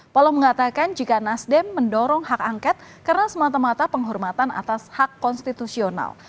paloh mengatakan jika nasdem mendorong hak angket karena semata mata penghormatan atas hak konstitusional